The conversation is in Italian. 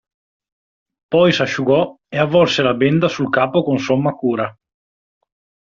Poi s'asciugò e avvolse la benda sul capo con somma cura.